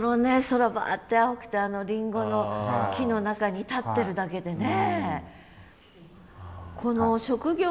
空バーッて青くてあのりんごの木の中に立ってるだけでね。